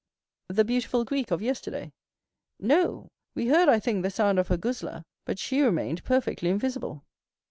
20183m "The beautiful Greek of yesterday." "No; we heard, I think, the sound of her guzla, but she remained perfectly invisible."